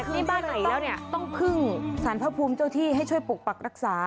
นี่บ้านไหนแล้วเนี่ยต้องพึ่งสารพระภูมิเจ้าที่ให้ช่วยปกปักรักษา